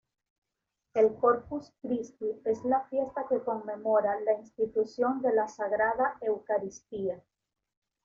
El Corpus Christi es la fiesta que conmemora la institución de la sagrada Eucaristía.